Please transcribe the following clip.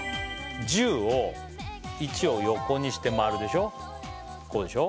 １０を１を横にして丸でしょこうでしょ